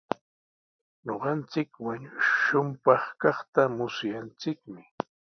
Ñuqanchik wañushunpaq kaqta musyanchikmi.